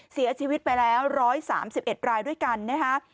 เสียชีวิตไปแล้ว๑๓๑รายด้วยกันนะคะ